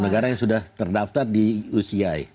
tiga puluh negara yang sudah terdaftar di uci